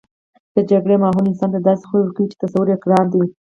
د جګړې ماحول انسان ته داسې خوی ورکوي چې تصور یې ګران دی